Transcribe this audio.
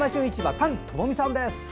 丹友美さんです。